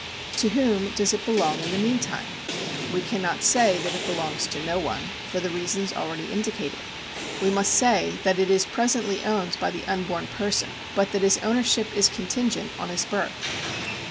To whom does it belong in the meantime ? We cannot say that it belongs to no one, for the reasons already indicated. We must say that it is presently owned by the unborn person, but that his ownership is contingent on his birth.